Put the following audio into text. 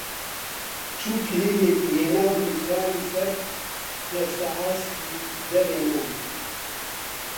چوو کلیلێکی هێنا و نووسراوی سەر پێستە ئاسکی دەرێنان